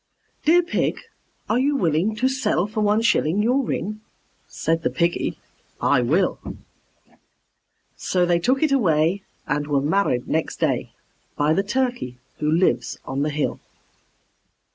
"Dear Pig, are you willing to sell for one shilling Your ring?" Said the Piggy, "I will." So they took it away and were married next day By the Turkey who lives on the hill.